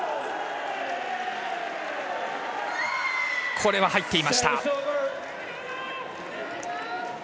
これは入っていました。